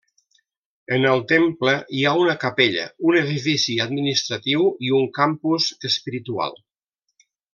En el temple hi ha una capella, un edifici administratiu, i un campus espiritual.